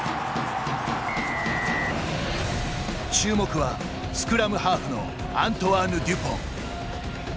注目は、スクラムハーフのアントワーヌ・デュポン。